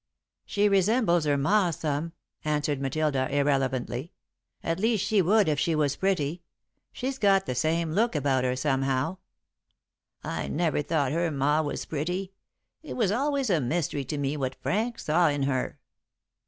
"She resembles her ma some," answered Matilda, irrelevantly; "at least she would if she was pretty. She's got the same look about her, somehow." "I never thought her ma was pretty. It was always a mystery to me what Frank saw in her."